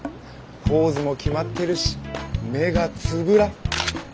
ポーズも決まってるし目がつぶら！